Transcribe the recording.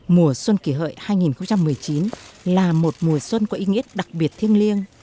mùa xuân kỷ hợi hai nghìn một mươi chín là một mùa xuân có ý nghĩa đặc biệt thiêng liêng